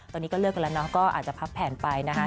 ตอนนี้ก็เลือกกันแล้วเนาะก็อาจจะพักแผนไปนะคะ